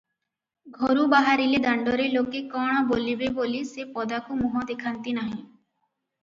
ଘରୁ ବାହାରିଲେ ଦାଣ୍ଡରେ ଲୋକେ କଣ ବୋଲିବେ ବୋଲି ସେ ପଦାକୁ ମୁହଁ ଦେଖାନ୍ତି ନାହିଁ ।